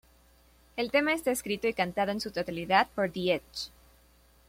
El tema está escrito y cantado en su totalidad por The Edge.